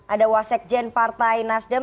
ada wasekjen partai nasdem